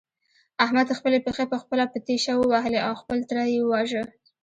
احمد خپلې پښې په خپله په تېشه ووهلې او خپل تره يې وواژه.